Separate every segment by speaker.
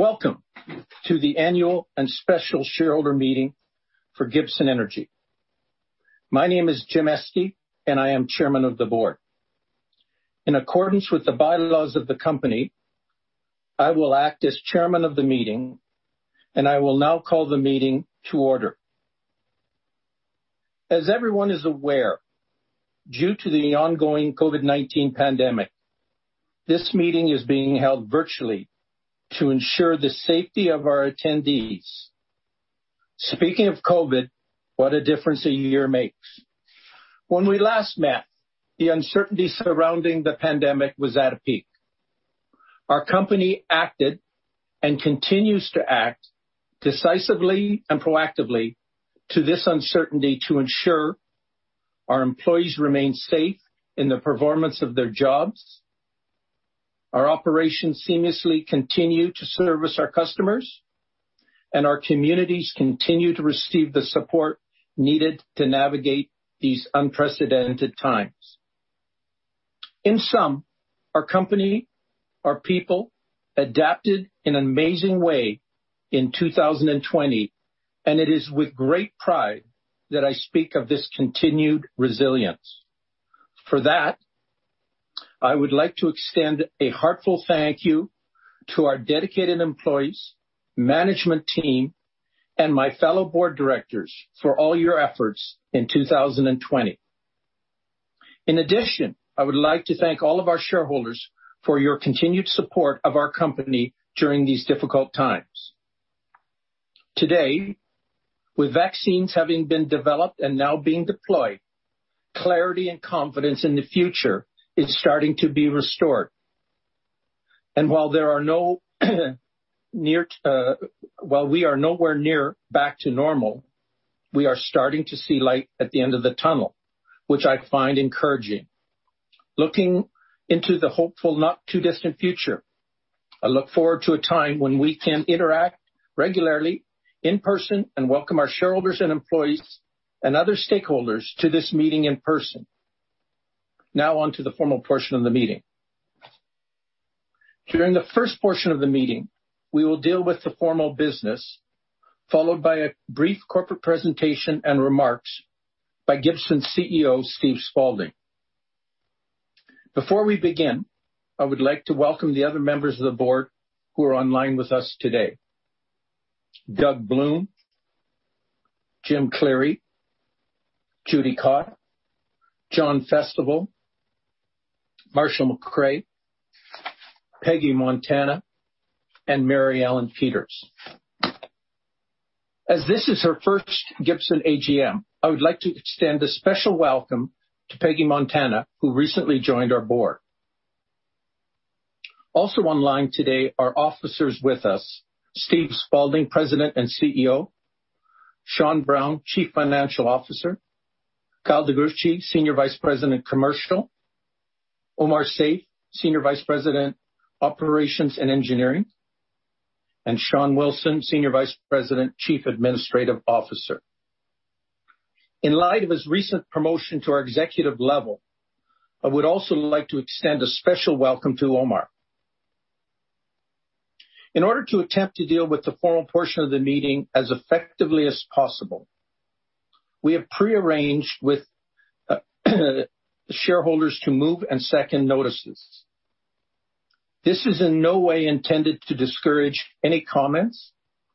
Speaker 1: Welcome to the annual and special shareholder meeting for Gibson Energy. My name is Jim Estey, and I am chairman of the board. In accordance with the bylaws of the company, I will act as chairman of the meeting, and I will now call the meeting to order. As everyone is aware, due to the ongoing COVID-19 pandemic, this meeting is being held virtually to ensure the safety of our attendees. Speaking of COVID, what a difference a year makes. When we last met, the uncertainty surrounding the pandemic was at a peak. Our company acted and continues to act decisively and proactively to this uncertainty to ensure our employees remain safe in the performance of their jobs, our operations seamlessly continue to service our customers, and our communities continue to receive the support needed to navigate these unprecedented times. In sum, our company, our people adapted in an amazing way in 2020, and it is with great pride that I speak of this continued resilience. For that, I would like to extend a heartfelt thank you to our dedicated employees, management team, and my fellow board directors for all your efforts in 2020. In addition, I would like to thank all of our shareholders for your continued support of our company during these difficult times. Today, with vaccines having been developed and now being deployed, clarity and confidence in the future is starting to be restored. While we are nowhere near back to normal, we are starting to see light at the end of the tunnel, which I find encouraging. Looking into the hopeful, not too distant future, I look forward to a time when we can interact regularly in person and welcome our shareholders and employees and other stakeholders to this meeting in person. Now on to the formal portion of the meeting. During the first portion of the meeting, we will deal with the formal business, followed by a brief corporate presentation and remarks by Gibson Energy CEO, Steve Spaulding. Before we begin, I would like to welcome the other members of the board who are online with us today. Doug Bloom, Jim Cleary, Judy Cotte, John Festival, Marshall McRae, Peggy Montana, and Mary Ellen Peters. As this is her first Gibson AGM, I would like to extend a special welcome to Peggy Montana, who recently joined our board. Also online today are officers with us, Steve Spaulding, President and CEO, Sean Brown, Chief Financial Officer, Kyle DeGruchy, Senior Vice President, Commercial, Omar Saif, Senior Vice President, Operations and Engineering, and Sean Wilson, Senior Vice President, Chief Administrative Officer. In light of his recent promotion to our executive level, I would also like to extend a special welcome to Omar. In order to attempt to deal with the formal portion of the meeting as effectively as possible, we have prearranged with shareholders to move and second notices. This is in no way intended to discourage any comments,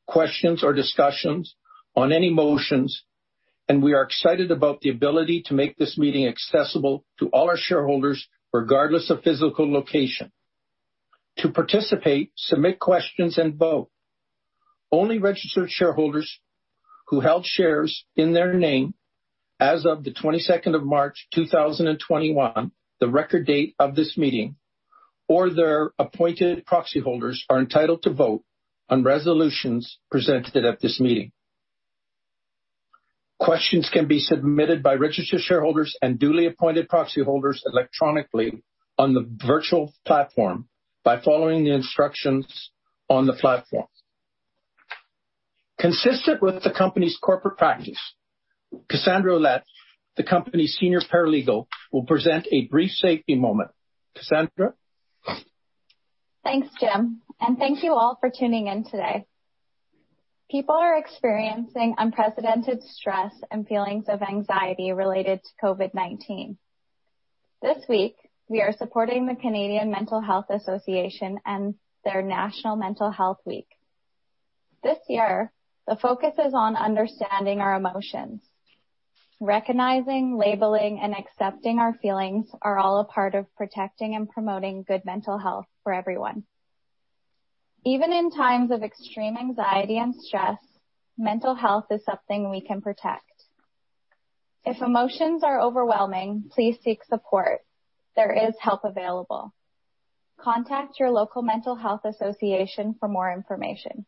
Speaker 1: questions, or discussions on any motions, and we are excited about the ability to make this meeting accessible to all our shareholders, regardless of physical location. To participate, submit questions, and vote, only registered shareholders who held shares in their name as of the 22nd of March, 2021, the record date of this meeting, or their appointed proxy holders are entitled to vote on resolutions presented at this meeting. Questions can be submitted by registered shareholders and duly appointed proxy holders electronically on the virtual platform by following the instructions on the platform. Consistent with the company's corporate practice, Cassandra Ouellette, the company's Senior Paralegal, will present a brief safety moment. Cassandra?
Speaker 2: Thanks, Jim, and thank you all for tuning in today. People are experiencing unprecedented stress and feelings of anxiety related to COVID-19. This week, we are supporting the Canadian Mental Health Association and their National Mental Health Week. This year, the focus is on understanding our emotions. Recognizing, labeling, and accepting our feelings are all a part of protecting and promoting good mental health for everyone. Even in times of extreme anxiety and stress, mental health is something we can protect. If emotions are overwhelming, please seek support. There is help available. Contact your local mental health association for more information.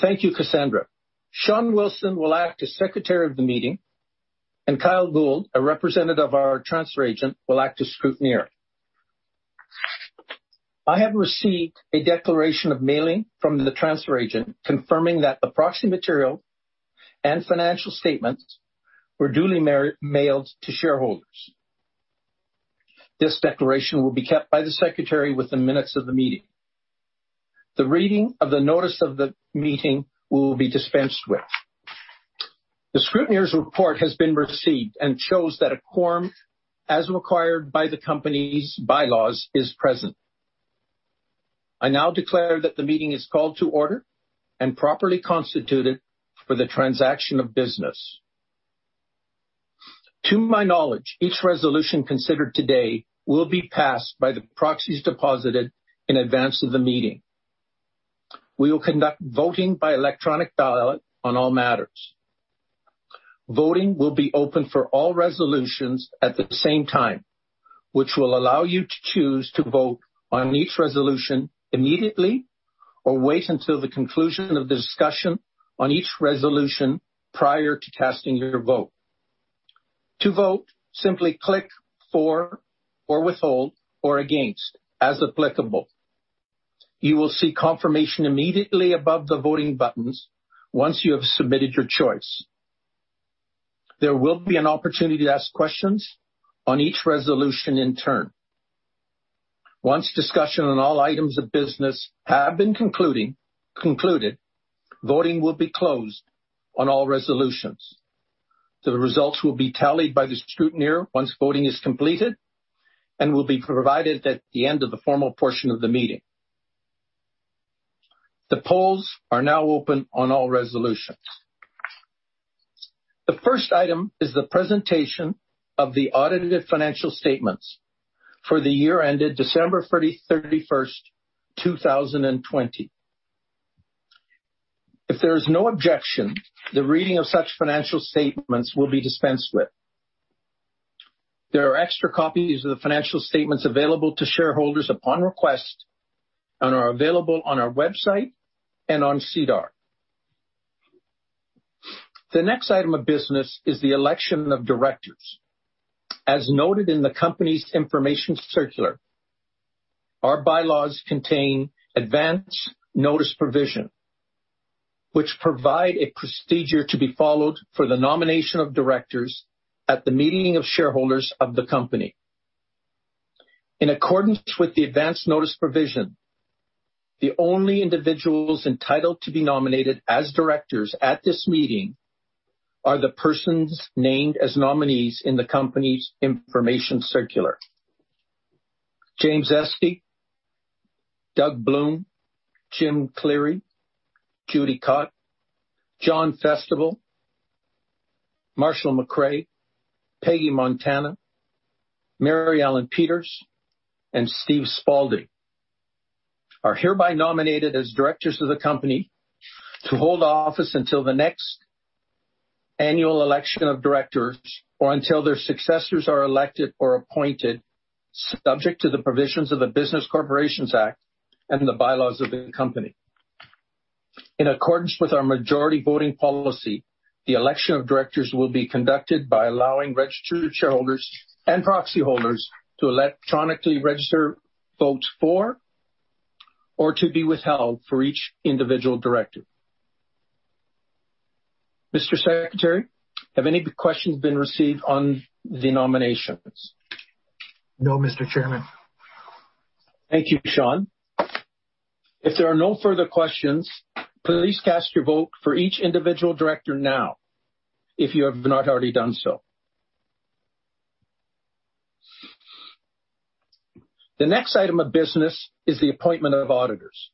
Speaker 1: Thank you, Cassandra. Sean Wilson will act as secretary of the meeting, and Kyle Gould, a representative of our transfer agent, will act as scrutineer. I have received a declaration of mailing from the transfer agent confirming that the proxy material and financial statements were duly mailed to shareholders. This declaration will be kept by the secretary with the minutes of the meeting. The reading of the notice of the meeting will be dispensed with. The scrutineer's report has been received and shows that a quorum, as required by the company's bylaws, is present. I now declare that the meeting is called to order and properly constituted for the transaction of business. To my knowledge, each resolution considered today will be passed by the proxies deposited in advance of the meeting. We will conduct voting by electronic ballot on all matters. Voting will be open for all resolutions at the same time, which will allow you to choose to vote on each resolution immediately or wait until the conclusion of the discussion on each resolution prior to casting your vote. To vote, simply click for or withhold or against, as applicable. You will see confirmation immediately above the voting buttons once you have submitted your your choice. There will be an opportunity to ask questions on each resolution in turn. Once discussion on all items of business have been concluded, voting will be closed on all resolutions. The results will be tallied by the scrutineer once voting is completed and will be provided at the end of the formal portion of the meeting. The polls are now open on all resolutions. The first item is the presentation of the audited financial statements for the year ended December 31st, 2020. If there is no objection, the reading of such financial statements will be dispensed with. There are extra copies of the financial statements available to shareholders upon request and are available on our website and on SEDAR. The next item of business is the election of directors. As noted in the company's information circular, our bylaws contain advance notice provision, which provide a procedure to be followed for the nomination of directors at the meeting of shareholders of the company. In accordance with the advance notice provision, the only individuals entitled to be nominated as directors at this meeting are the persons named as nominees in the company's information circular. Jim Estey, Doug Bloom, Jim Cleary, Judy Cotte, John Festival, Marshall McRae, Peggy Montana, Mary Ellen Peters, and Steve Spaulding are hereby nominated as directors of the company to hold office until the next annual election of directors or until their successors are elected or appointed, subject to the provisions of the Business Corporations Act and the bylaws of the company. In accordance with our majority voting policy, the election of directors will be conducted by allowing registered shareholders and proxy holders to electronically register votes for or to be withheld for each individual director. Mr. Secretary, have any questions been received on the nominations?
Speaker 3: No, Mr. Chairman.
Speaker 1: Thank you, Sean. If there are no further questions, please cast your vote for each individual director now, if you have not already done so. The next item of business is the appointment of auditors.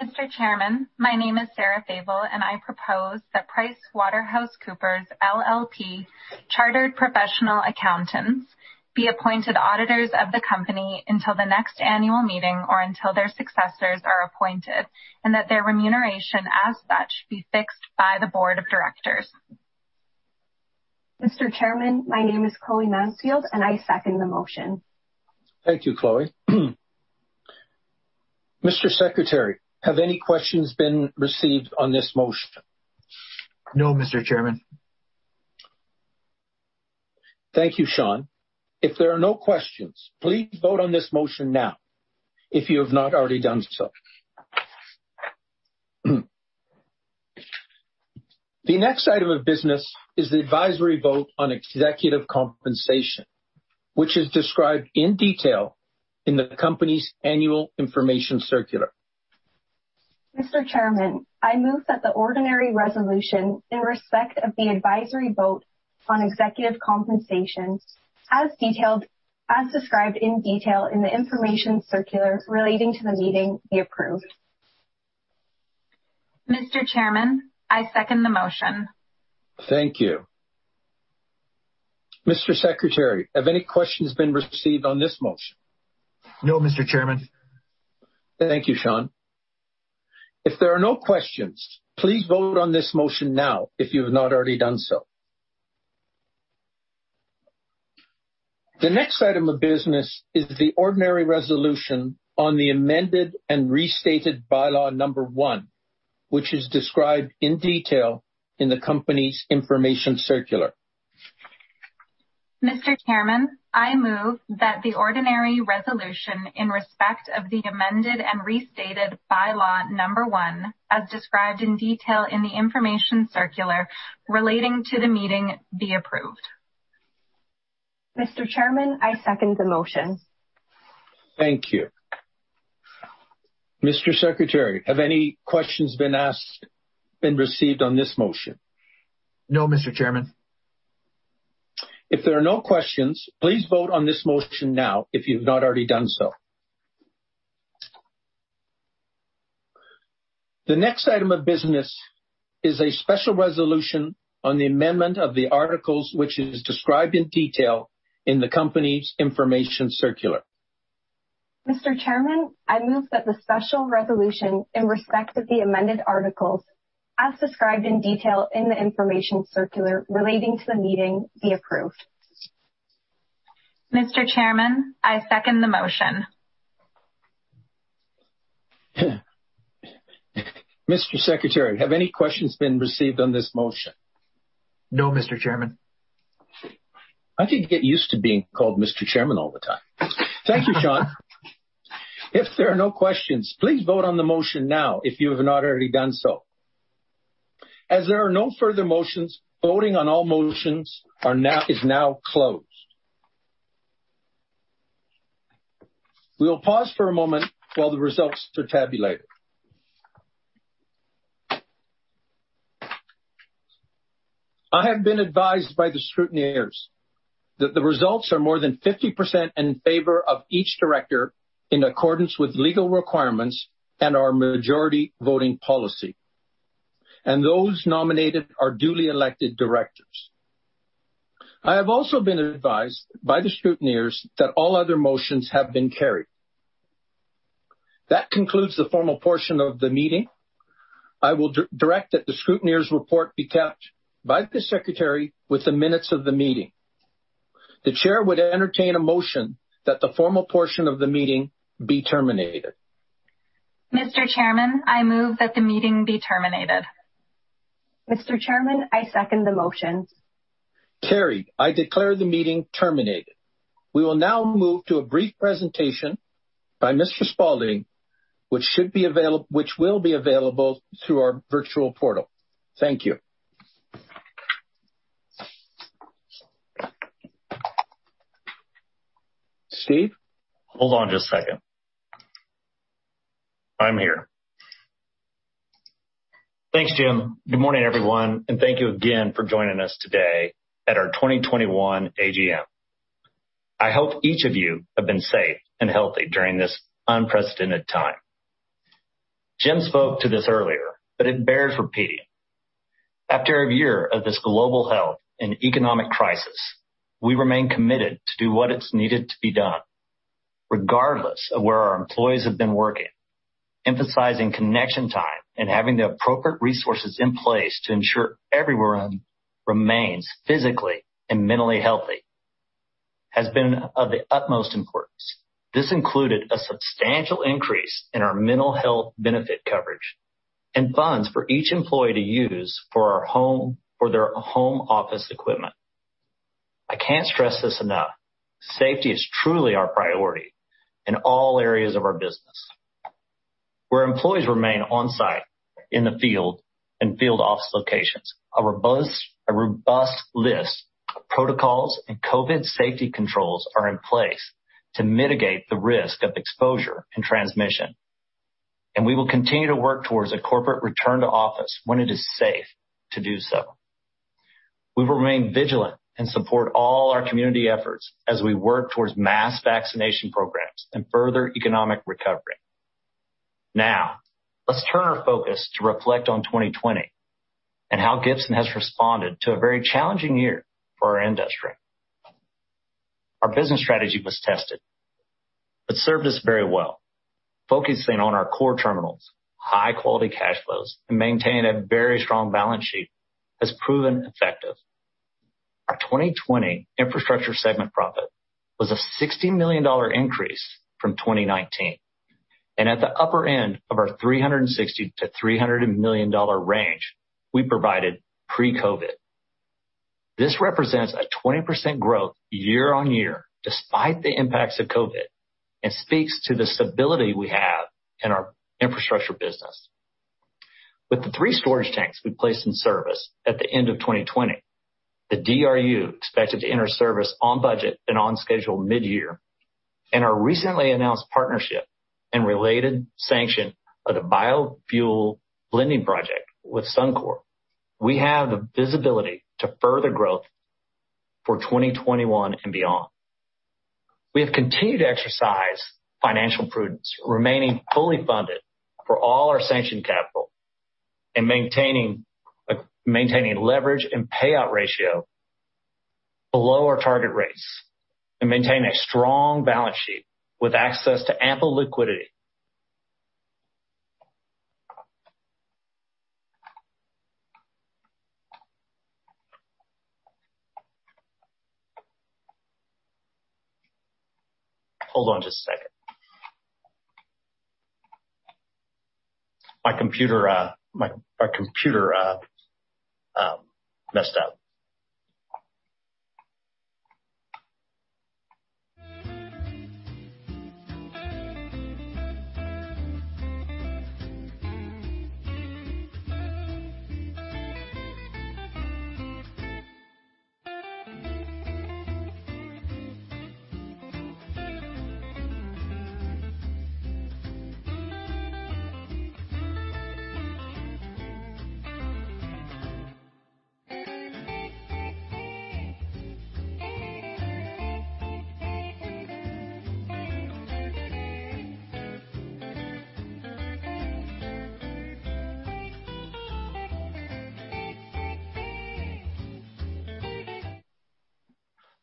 Speaker 4: Mr. Chairman, my name is Sarah Fable, and I propose that PricewaterhouseCoopers LLP Chartered Professional Accountants be appointed auditors of the company until the next annual meeting or until their successors are appointed, and that their remuneration as such be fixed by the board of directors.
Speaker 5: Mr. Chairman, my name is Chloe Mansfield, and I second the motion.
Speaker 1: Thank you, Chloe. Mr. Secretary, have any questions been received on this motion?
Speaker 3: No, Mr. Chairman.
Speaker 1: Thank you, Sean. If there are no questions, please vote on this motion now, if you have not already done so. The next item of business is the advisory vote on executive compensation, which is described in detail in the company's annual information circular.
Speaker 5: Mr. Chairman, I move that the ordinary resolution in respect of the advisory vote on executive compensation, as described in detail in the information circular relating to the meeting, be approved.
Speaker 4: Mr. Chairman, I second the motion.
Speaker 1: Thank you. Mr. Secretary, have any questions been received on this motion?
Speaker 3: No, Mr. Chairman.
Speaker 1: Thank you, Sean. If there are no questions, please vote on this motion now, if you have not already done so. The next item of business is the ordinary resolution on the amended and restated bylaw number one, which is described in detail in the company's information circular.
Speaker 4: Mr. Chairman, I move that the ordinary resolution in respect of the amended and restated bylaw number one, as described in detail in the information circular relating to the meeting, be approved.
Speaker 5: Mr. Chairman, I second the motion.
Speaker 1: Thank you. Mr. Secretary, have any questions been received on this motion?
Speaker 3: No, Mr. Chairman.
Speaker 1: If there are no questions, please vote on this motion now, if you've not already done so. The next item of business is a special resolution on the amendment of the articles which is described in detail in the company's information circular.
Speaker 5: Mr. Chairman, I move that the special resolution in respect of the amended articles, as described in detail in the information circular relating to the meeting, be approved.
Speaker 4: Mr. Chairman, I second the motion.
Speaker 1: Mr. Secretary, have any questions been received on this motion?
Speaker 3: No, Mr. Chairman.
Speaker 1: I could get used to being called Mr. Chairman all the time. Thank you, Sean. If there are no questions, please vote on the motion now if you have not already done so. As there are no further motions, voting on all motions is now closed. We will pause for a moment while the results are tabulated. I have been advised by the scrutineers that the results are more than 50% in favor of each director in accordance with legal requirements and our majority voting policy, and those nominated are duly elected directors. I have also been advised by the scrutineers that all other motions have been carried. That concludes the formal portion of the meeting. I will direct that the scrutineers' report be kept by the secretary with the minutes of the meeting. The Chair would entertain a motion that the formal portion of the meeting be terminated.
Speaker 4: Mr. Chairman, I move that the meeting be terminated.
Speaker 5: Mr. Chairman, I second the motion.
Speaker 1: Carried. I declare the meeting terminated. We will now move to a brief presentation by Mr. Spaulding, which will be available through our virtual portal. Thank you. Steve?
Speaker 6: Hold on just a second. I'm here. Thanks, Jim. Good morning, everyone, and thank you again for joining us today at our 2021 AGM. I hope each of you have been safe and healthy during this unprecedented time. Jim spoke to this earlier, but it bears repeating. After a year of this global health and economic crisis, we remain committed to do what is needed to be done regardless of where our employees have been working, emphasizing connection time and having the appropriate resources in place to ensure everyone remains physically and mentally healthy has been of the utmost importance. This included a substantial increase in our mental health benefit coverage and funds for each employee to use for their home office equipment. I can't stress this enough. Safety is truly our priority in all areas of our business. Where employees remain on-site in the field and field office locations, a robust list of protocols and COVID safety controls are in place to mitigate the risk of exposure and transmission. We will continue to work towards a corporate return to office when it is safe to do so. We will remain vigilant and support all our community efforts as we work towards mass vaccination programs and further economic recovery. Now, let's turn our focus to reflect on 2020 and how Gibson Energy has responded to a very challenging year for our industry. Our business strategy was tested, but served us very well. Focusing on our core terminals, high-quality cash flows, and maintaining a very strong balance sheet has proven effective. Our 2020 infrastructure segment profit was a 60 million dollar increase from 2019. At the upper end of our 360 million-300 million dollar range, we provided pre-COVID. This represents a 20% growth year on year despite the impacts of COVID, and speaks to the stability we have in our infrastructure business. With the three storage tanks we placed in service at the end of 2020, the DRU expected to enter service on budget and on schedule mid-year and our recently announced partnership and related sanction of the biofuel blending project with Suncor, we have the visibility to further growth for 2021 and beyond. We have continued to exercise financial prudence, remaining fully funded for all our sanctioned capital, and maintaining leverage and payout ratio below our target rates and maintain a strong balance sheet with access to ample liquidity. Hold on just a second. My computer messed up.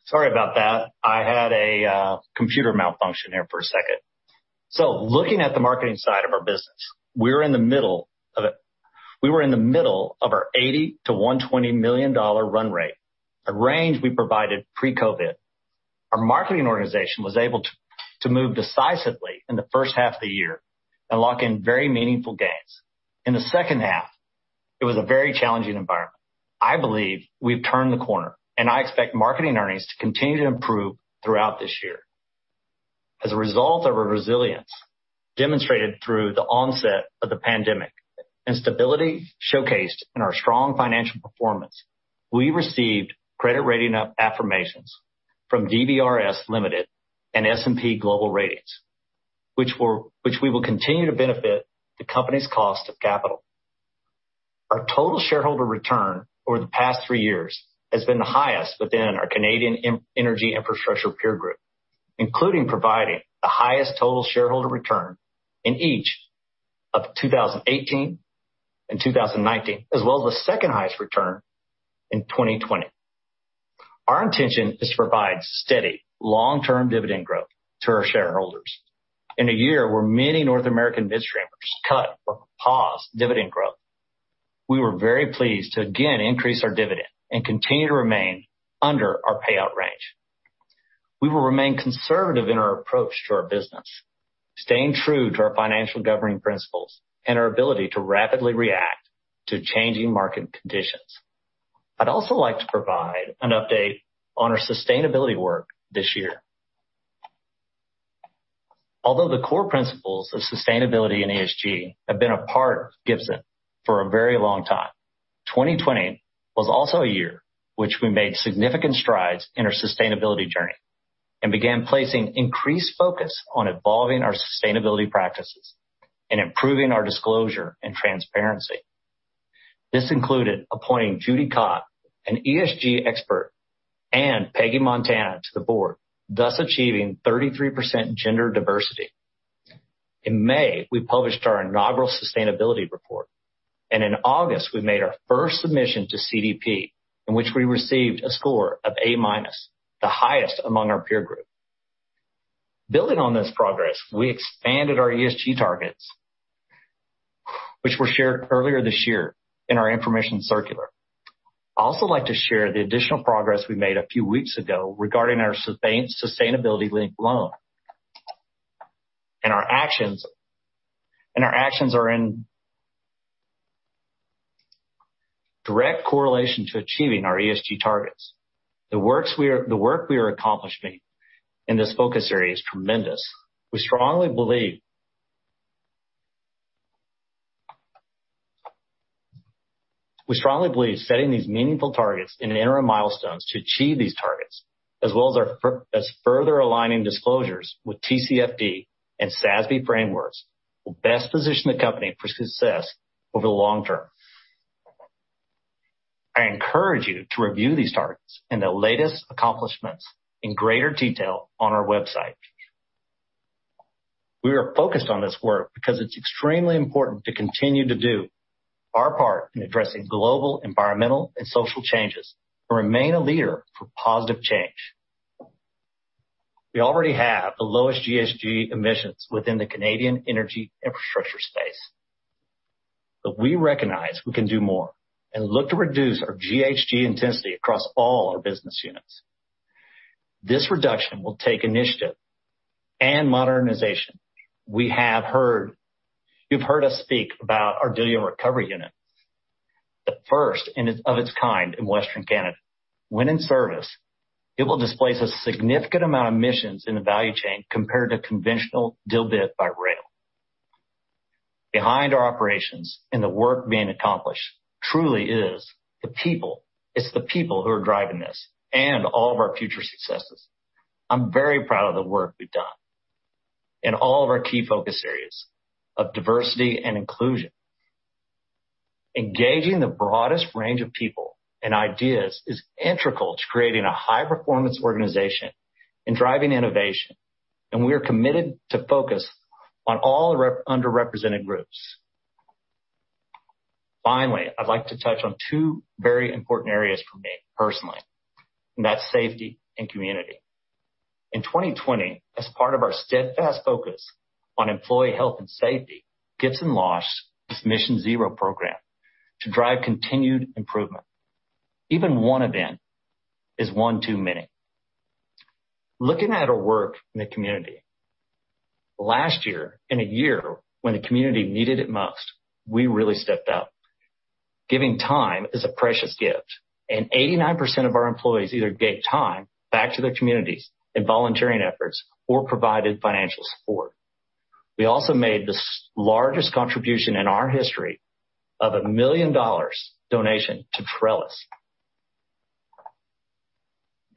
Speaker 6: Sorry about that. I had a computer malfunction there for a second. Looking at the marketing side of our business, we were in the middle of our 80 million-120 million dollar run rate, the range we provided pre-COVID-19. Our marketing organization was able to move decisively in the first half of the year and lock in very meaningful gains. In the second half, it was a very challenging environment. I believe we've turned the corner, and I expect marketing earnings to continue to improve throughout this year. As a result of our resilience demonstrated through the onset of the pandemic and stability showcased in our strong financial performance, we received credit rating affirmations from DBRS Limited and S&P Global Ratings, which we will continue to benefit the company's cost of capital. Our total shareholder return over the past three years has been the highest within our Canadian energy infrastructure peer group, including providing the highest total shareholder return in each of 2018 and 2019, as well as the second highest return in 2020. Our intention is to provide steady, long-term dividend growth to our shareholders. In a year where many North American mid-streamers cut or paused dividend growth, we were very pleased to again increase our dividend and continue to remain under our payout range. We will remain conservative in our approach to our business, staying true to our financial governing principles and our ability to rapidly react to changing market conditions. I'd also like to provide an update on our sustainability work this year. Although the core principles of sustainability and ESG have been a part of Gibson Energy for a very long time, 2020 was also a year which we made significant strides in our sustainability journey and began placing increased focus on evolving our sustainability practices and improving our disclosure and transparency. This included appointing Judy Cotte, an ESG expert, and Peggy Montana to the board, thus achieving 33% gender diversity. In May, we published our inaugural sustainability report, and in August, we made our first submission to CDP, in which we received a score of A-, the highest among our peer group. Building on this progress, we expanded our ESG targets, which were shared earlier this year in our information circular. I'd also like to share the additional progress we made a few weeks ago regarding our sustainability-linked loan. Our actions are in direct correlation to achieving our ESG targets. The work we are accomplishing in this focus area is tremendous. We strongly believe setting these meaningful targets and interim milestones to achieve these targets, as well as further aligning disclosures with TCFD and SASB frameworks, will best position the company for success over the long term. I encourage you to review these targets and the latest accomplishments in greater detail on our website. We are focused on this work because it's extremely important to continue to do our part in addressing global environmental and social changes and remain a leader for positive change. We already have the lowest GHG emissions within the Canadian energy infrastructure space. We recognize we can do more and look to reduce our GHG intensity across all our business units. This reduction will take initiative and modernization. You've heard us speak about our diluent recovery unit, the first of its kind in Western Canada. When in service, it will displace a significant amount of emissions in the value chain compared to conventional diluent by rail. Behind our operations and the work being accomplished truly is the people. It's the people who are driving this and all of our future successes. I'm very proud of the work we've done in all of our key focus areas of diversity and inclusion. Engaging the broadest range of people and ideas is integral to creating a high-performance organization and driving innovation, and we are committed to focus on all underrepresented groups. Finally, I'd like to touch on two very important areas for me personally, and that's safety and community. In 2020, as part of our steadfast focus on employee health and safety, Gibson Energy launched its Mission Zero program to drive continued improvement. Even one event is one too many. Looking at our work in the community. Last year, in a year when the community needed it most, we really stepped up. Giving time is a precious gift. 89% of our employees either gave time back to their communities in volunteering efforts or provided financial support. We also made the largest contribution in our history of a 1 million dollars donation to Trellis.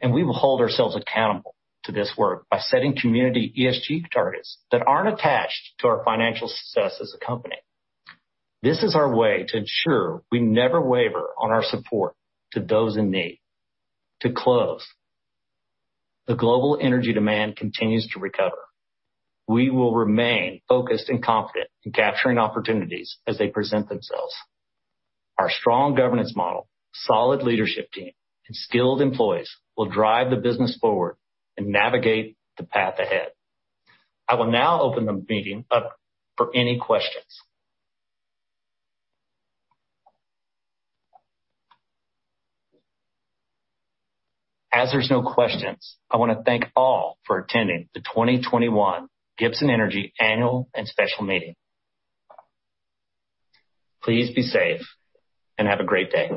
Speaker 6: We will hold ourselves accountable to this work by setting community ESG targets that aren't attached to our financial success as a company. This is our way to ensure we never waver on our support to those in need. To close, the global energy demand continues to recover. We will remain focused and confident in capturing opportunities as they present themselves. Our strong governance model, solid leadership team, and skilled employees will drive the business forward and navigate the path ahead. I will now open the meeting up for any questions. As there's no questions, I want to thank all for attending the 2021 Gibson Energy Annual and Special Meeting. Please be safe, and have a great day.